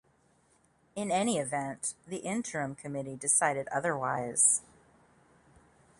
In any event, the Interim Committee decided otherwise.